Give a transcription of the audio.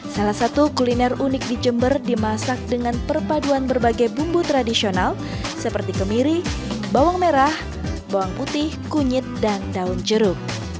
salah satu kuliner unik di jember dimasak dengan perpaduan berbagai bumbu tradisional seperti kemiri bawang merah bawang putih kunyit dan daun jeruk